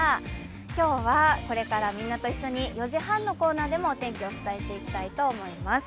今日はこれからみんなと一緒に４時半のコーナーでもお天気お伝えしていきたいと思います。